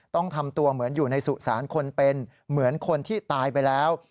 ต้องทำตัวเหมือนอยู่ในสุสานคนเป็นเหมือนคนที่ตายไปแล้ว